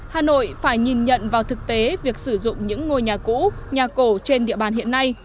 hà nội phải nhìn nhận vào thực tế việc sử dụng những ngôi nhà cũ nhà cổ trên địa bàn hiện nay